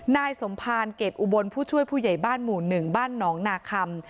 นายสมภารเกรดอุบลผู้ช่วยผู้ใหญ่บ้านหมู่๑บ้านหนองนาคัม